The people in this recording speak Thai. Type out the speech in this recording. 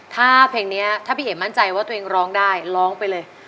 ถ้าเพลงนี้ถ้าพี่เอ๋มั่นใจว่าตัวเองร้องได้ร้องไปเลย